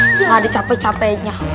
nggak ada capek capeknya